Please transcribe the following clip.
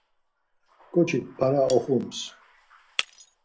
K̆oçik para oxums.